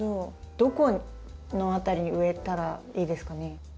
どこの辺りに植えたらいいですかね？